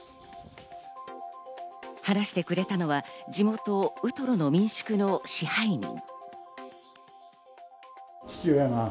話してくれたのは地元ウトロの民宿の支配人。